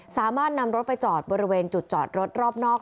สามารถนำรถไปจอดบริเวณจุดจอดรถรอบนอก